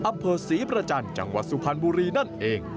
อำเภอศรีประจันทร์จังหวัดสุพรรณบุรีนั่นเอง